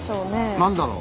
何だろう？